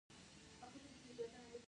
دا کار باید په ورته شرایطو کې وشي.